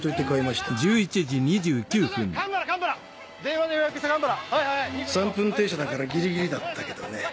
電話で予約３分停車だからギリギリだったけどね。